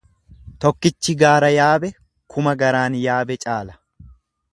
Tokkichi gaara yaabe kuma garaan yaabe ni caala.